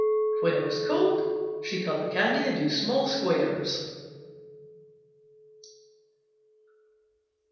When it was cold she cut the candy into small squares.